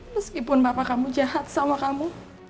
meskipun bapak kamu jahat sama kamu